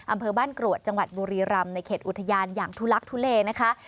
อำเภอบ้านกรวดจังหวัดบุรีรำในเขตอุทยานอย่างทุลักทุเลนะคะ